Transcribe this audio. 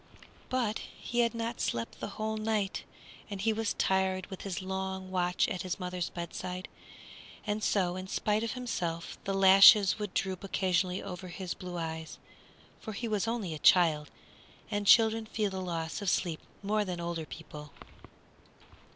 But he had not slept the whole night, and he was tired with his long watch at his mother's bedside, and so in spite of himself the lashes would droop occasionally over his blue eyes, for he was only a child, and children feel the loss of sleep more than older people.